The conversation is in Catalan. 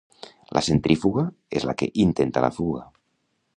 La centrífuga és la que "intenta la fuga".